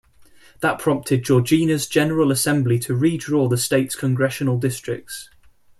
That prompted Georgia's General Assembly to re-draw the state's congressional districts.